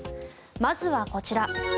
まずはこちら。